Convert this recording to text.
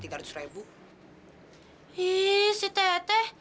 ih si teteh